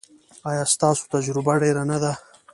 ایا ستاسو تجربه ډیره نه ده؟